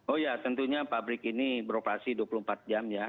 oh ya tentunya pabrik ini beroperasi dua puluh empat jam ya